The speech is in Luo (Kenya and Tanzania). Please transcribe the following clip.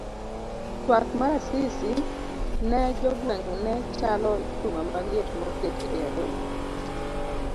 Twak mar Asisi ne jo gweng' ne chalo chuma maliet moket e a dhola.